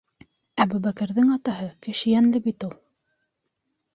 Әбүбәкерҙең атаһы кеше йәнле бит ул!